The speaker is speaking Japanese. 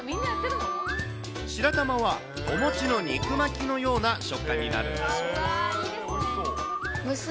白玉はお持ちの肉巻きのような食感になるんだそうです。